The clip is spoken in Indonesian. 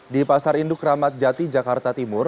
di pasar induk ramadjati jakarta timur